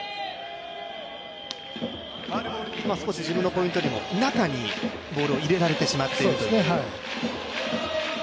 少し自分のポイントよりも中にボールを入れられてしまっているという。